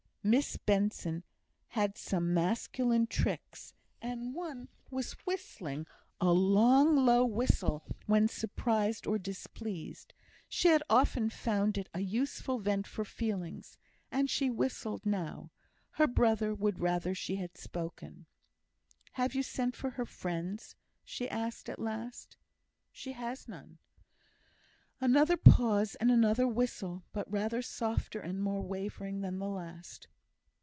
Miss Benson had some masculine tricks, and one was whistling a long, low whistle when surprised or displeased. She had often found it a useful vent for feelings, and she whistled now. Her brother would rather she had spoken. "Have you sent for her friends?" she asked at last. "She has none." Another pause and another whistle, but rather softer and more wavering than the last.